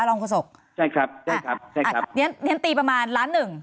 รองกฎศพใช่ครับใช่ครับใช่ครับเนี้ยเน้นตีประมาณล้านหนึ่ง